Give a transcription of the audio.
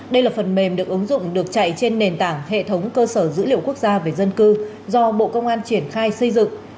đây là phần mềm được ứng dụng được chạy trên nền tảng hệ thống cơ sở dữ liệu quốc gia về dân cư do bộ công an triển khai xây dựng